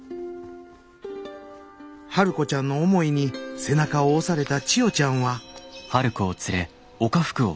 春子ちゃんの思いに背中を押された千代ちゃんは。